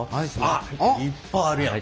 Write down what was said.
あっいっぱいあるやん。